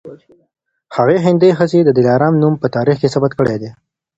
هغې هندۍ ښځې د دلارام نوم په تاریخ کي ثبت کړی دی